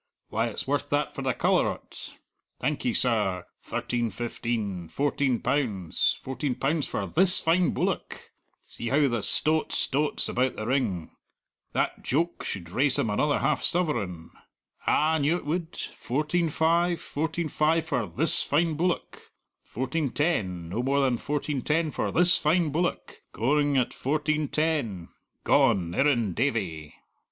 why, it's worth that for the colour o't; thank ye, sir thirteen fifteen; fourteen pounds; fourteen pounds for this fine bullock; see how the stot stots about the ring; that joke should raise him another half sovereign; ah, I knew it would fourteen five; fourteen five for this fine bullock; fourteen ten; no more than fourteen ten for this fine bullock; going at fourteen ten; gone Irrendavie."